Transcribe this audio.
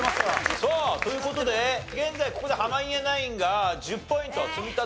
さあという事で現在ここで濱家ナインが１０ポイント積み立て。